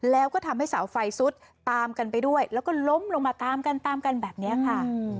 แล้วก็ทำให้เสาไฟซุดตามกันไปด้วยแล้วก็ล้มลงมาตามกันตามกันแบบนี้ค่ะ